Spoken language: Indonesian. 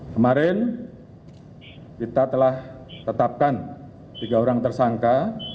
kemarin kita telah tetapkan tiga orang tersangka